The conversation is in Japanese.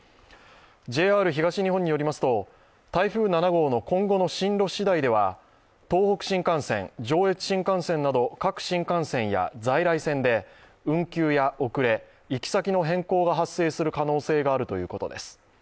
ＪＲ東日本によりますと、台風７号の今後の進路次第では東北新幹線、上越新幹線など各新幹線や在来線で運休や遅れ、行き先の変更が発生する可能性があるということです。